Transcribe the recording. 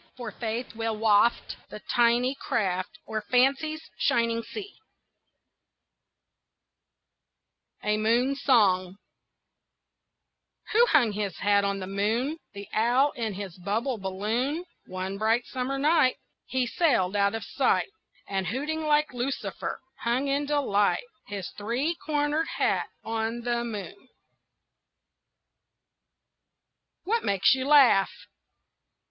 For faith will waft The tiny craft O'er Fancy's shining sea. A MOON SONG Who hung his hat on the moon? The owl in his bubble balloon. One bright summer night He sailed out of sight, And, hooting like Lucifer, hung in delight His three cornered hat on the moon. WHAT MAKES YOU LAUGH?